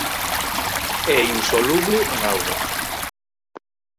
É insoluble en auga.